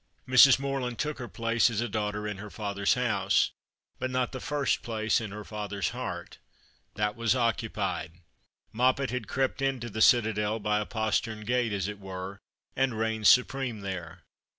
Mrs. Morland took her place as a daughter in her father's house, but not the first place in her father's heart. That was occupied. Moppet had crept into the citadel by a postern gate, as it were, and reigned supreme there.